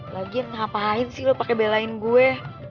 lagian ngapain sih lo pake belain gue